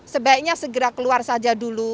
sebaiknya segera keluar saja dulu